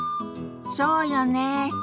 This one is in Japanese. そうよね。